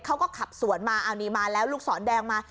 เขาก็ขับสวนมาเอานี่มาแล้วลูกศรแดงมา